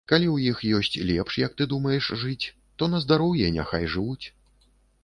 Калі ў іх ёсць лепш, як ты думаеш, жыць, то на здароўе, няхай жывуць.